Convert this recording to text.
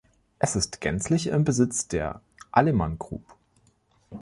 Es ist gänzlich im Besitz der Aleman Group.